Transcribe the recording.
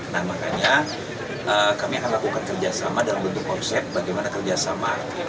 nah makanya kami akan lakukan kerjasama dalam bentuk konsep bagaimana kerjasama